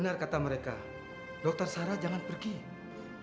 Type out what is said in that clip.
kan kakinya sudah tertutup